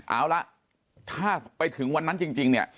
เอาละถ้าไปถึงวันนั้นจริงเนี่ย